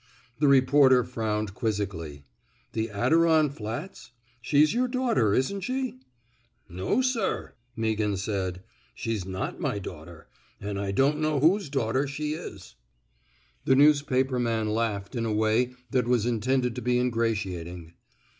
The reporter frowned quizzically. The Adiron Flats! She's your daughter, isn't shef "*' No, sir," Meaghan said. She's not my daughter, an' I don't know whose daugh ter she is." The newspaper man laughed in a way that was intended to be ingratiating.